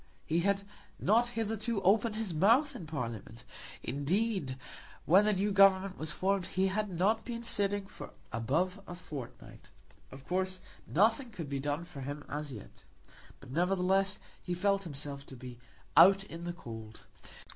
He had not hitherto opened his mouth in Parliament. Indeed, when the new Government was formed he had not been sitting for above a fortnight. Of course nothing could be done for him as yet. But, nevertheless, he felt himself to be out in the cold.